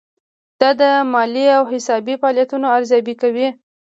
دا د مالي او حسابي فعالیتونو ارزیابي کوي.